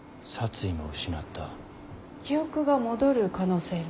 記憶が戻る可能性は？